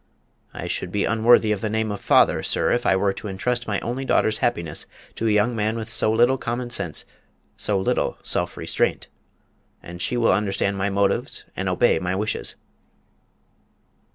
I should be unworthy of the name of father, sir, if I were to entrust my only daughter's happiness to a young man with so little common sense, so little self restraint. And she will understand my motives and obey my wishes."